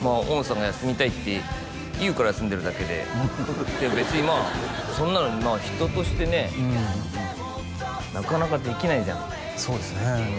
大野さんが休みたいって言うから休んでるだけでいや別にまあそんなの人としてねなかなかできないじゃんそうですね